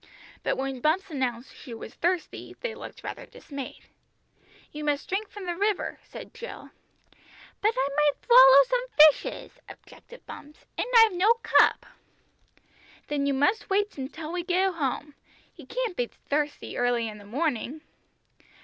But when Bumps announced she was thirsty they looked rather dismayed. "You must drink from the river," said Jill. "But I might thwallow some fishes," objected Bumps, "and I've no cup." "Then you must wait till we go home. You can't be thirsty early in the morning."